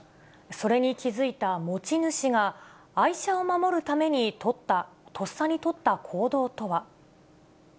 それに気付いた持ち主が、愛車を守るためにとっさに取った行動とは。